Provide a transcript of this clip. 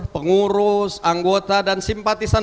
pengurus anggota dan simpatisan